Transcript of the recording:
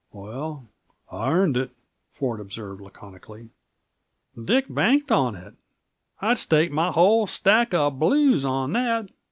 "Well, I earned it," Ford observed laconically. "Dick banked on it I'd stake my whole stack of blues on that.